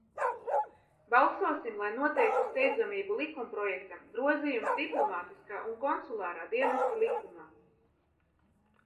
"Balsosim, lai noteiktu steidzamību likumprojektam "Grozījums Diplomātiskā un konsulārā dienesta likumā"!"